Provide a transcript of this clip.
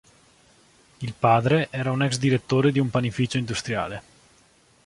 Il padre era un ex direttore di un panificio industriale.